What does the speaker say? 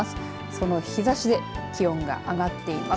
その日ざしで気温が上がっています。